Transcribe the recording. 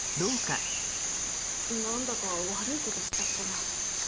なんだか悪いことしちゃったな。